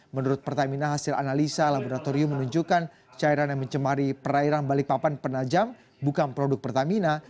menurut pertamina hasil analisa laboratorium menunjukkan cairan yang mencemari perairan balikpapan penajam bukan produk pertamina